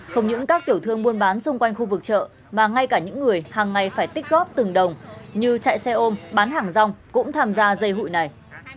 không những các tiểu thương buôn bán xung quanh khu vực chợ mà ngay cả những người hàng ngày phải tích góp từng đồng như chạy xe ôm bán hàng rong cũng tham gia dây hụi này